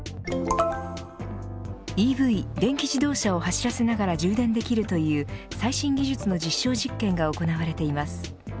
ＥＶ＝電気自動車を走らせながら充電できるという最新技術の実証実験が行われています。